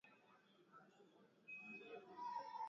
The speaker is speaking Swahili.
Hili naomba sana Watanzania tujipe muda tufanye uchumi wetu